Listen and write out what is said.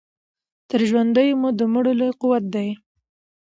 تر ژوندیو مو د مړو لوی قوت دی